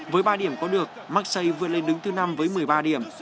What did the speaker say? với ba điểm có được maxi vươn lên đứng thứ năm với một mươi ba điểm